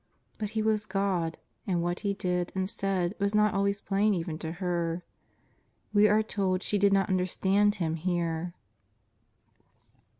But He was God, and what He did and said was not always plain even to her. We are told she did not understand Him here.